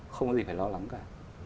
không có gì phải lo lắng cả